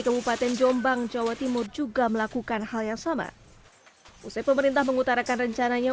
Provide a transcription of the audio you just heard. kabupaten jombang jawa timur juga melakukan hal yang sama usai pemerintah mengutarakan rencananya